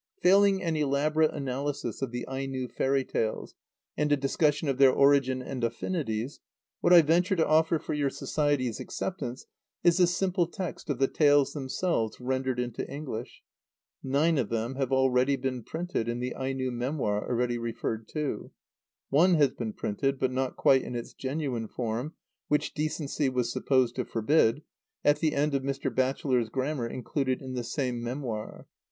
Failing an elaborate analysis of the Aino fairy tales, and a discussion of their origin and affinities, what I venture to offer for your Society's acceptance is the simple text of the tales themselves, rendered into English. Nine of them have already been printed in the Aino "Memoir" already referred to. One has been printed (but not quite in its genuine form, which decency was supposed to forbid) at the end of Mr. Batchelor's grammar included in the same "Memoir."